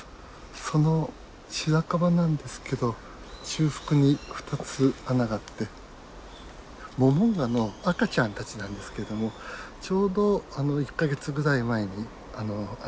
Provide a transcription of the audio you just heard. そのしらかばなんですけど中腹に２つ穴があってモモンガの赤ちゃんたちなんですけどもちょうど１か月ぐらい前にあの穴の中で生まれて。